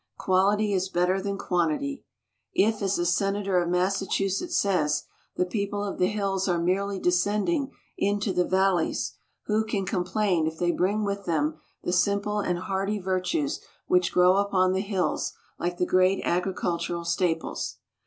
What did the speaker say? Quality is better than quantity. If, as a Senator of Massachusetts says, the people of the hills are merely descending into the valleys, who can complain if they bring with them the simple and hardy virtues which grow upon the hills like the great agricultural staples?